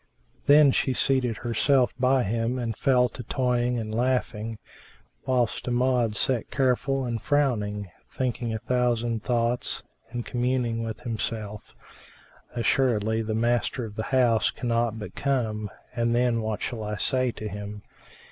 Then she seated herself by him and fell to toying and laughing, whilst Amjad sat careful and frowning, thinking a thousand thoughts and communing with himself, "Assuredly the master of the house cannot but come, and then what shall I say to him?